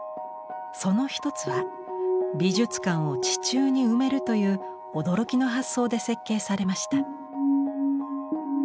その一つは美術館を地中に埋めるという驚きの発想で設計されました。